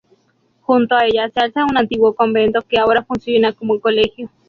Junto a ella se alza un antiguo convento que ahora funciona como colegio.